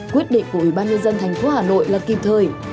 quyết định của ủy ban nhân dân thành phố hà nội là kịp thời